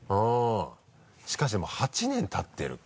しかしでも８年たってる。